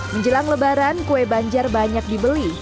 menjelang lebaran kue banjar banyak dibeli